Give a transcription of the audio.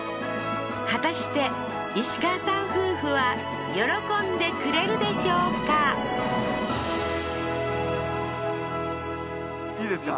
果たして石川さん夫婦は喜んでくれるでしょうかいいですか？